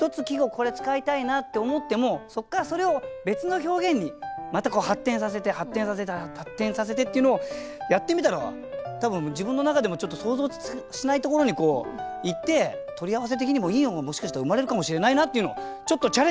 これ使いたいなって思ってもそっからそれを別の表現にまた発展させて発展させて発展させてっていうのをやってみたら多分自分の中でもちょっと想像しないところにいって取り合わせ的にもいいものがもしかしたら生まれるかもしれないなっていうのをちょっとチャレンジしてみようという。